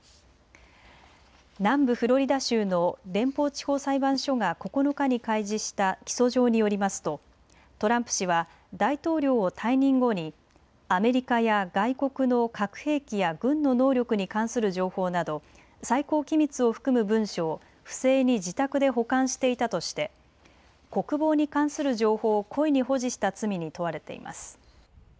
南部フロリダ州の連邦地方裁判所が９日に開示した起訴状によりますとトランプ氏は大統領を退任後にアメリカや外国の核兵器や軍の能力に関する情報など最高機密を含む文書を不正に自宅で保管していたとして国防に関する情報を故意に保持した罪に問われています。